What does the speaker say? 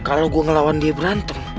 kalau gue ngelawan dia berantem